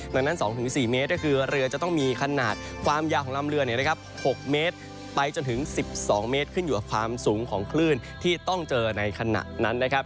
ดังนั้น๒๔เมตรก็คือเรือจะต้องมีขนาดความยาวของลำเรือ๖เมตรไปจนถึง๑๒เมตรขึ้นอยู่กับความสูงของคลื่นที่ต้องเจอในขณะนั้นนะครับ